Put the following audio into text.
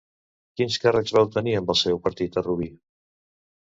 Quins càrrecs va obtenir amb el seu partit a Rubí?